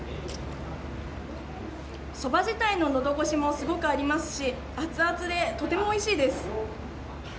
そば自体ののど越しもすごくありますしアツアツでとてもおいしいです。